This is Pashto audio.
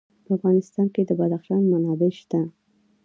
په افغانستان کې د بدخشان منابع شته.